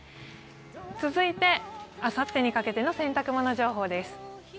続いて、あさってにかけての洗濯物情報です。